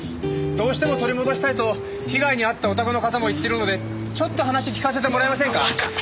どうしても取り戻したいと被害に遭ったお宅の方も言っているのでちょっと話聞かせてもらえませんか？